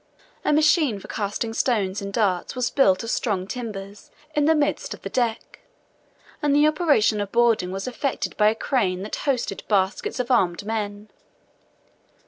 A machine for casting stones and darts was built of strong timbers, in the midst of the deck; and the operation of boarding was effected by a crane that hoisted baskets of armed men.